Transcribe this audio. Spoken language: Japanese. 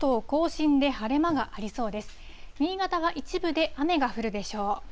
新潟は一部で雨が降るでしょう。